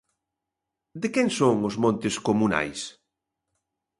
De quen son os montes comunais?